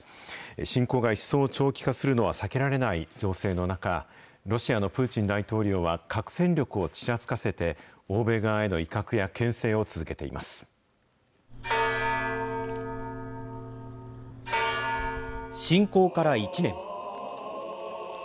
侵攻が一層長期化するのは避けられない情勢の中、ロシアのプーチン大統領は核戦力をちらつかせて、欧米側への威嚇やけん制を続けて侵攻から１年。